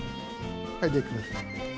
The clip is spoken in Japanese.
はいできました。